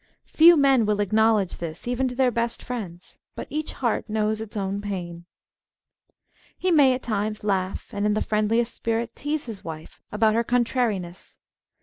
Few men will acknowledge this even to their best friends. But each heart knows its own pain. He may at times laugh, and in the friendliest spirit tease his wife about her contrariness.